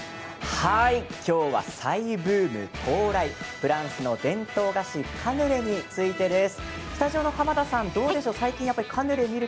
今日はフランスの伝統菓子カヌレについてです。